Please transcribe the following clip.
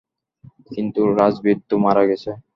কিন্তু রাজবীর তো মারা গেছে।